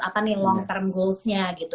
apa nih long term goalsnya gitu